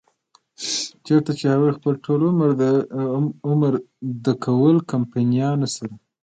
چرته چې هغوي خپل ټول عمر د کول کمپنيانو سره